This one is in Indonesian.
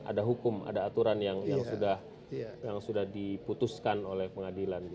ada hukum ada aturan yang sudah diputuskan oleh pengadilan